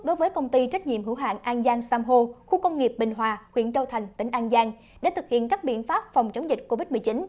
đối với công ty trách nhiệm hữu hạn an giang sam ho để thực hiện các biện pháp phòng chống dịch covid một mươi chín